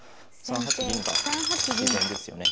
３八銀が自然ですよね。